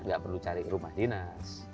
nggak perlu cari rumah dinas